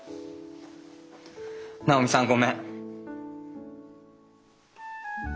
直美さんごめん。